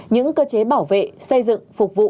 những cơ chế bảo vệ xây dựng phục vụ